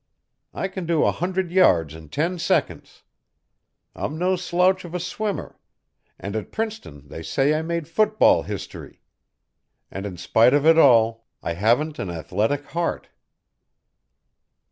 I can do a hundred yards in ten seconds; I'm no slouch of a swimmer; and at Princeton they say I made football history. And in spite of it all, I haven't an athletic heart."